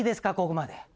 ここまで。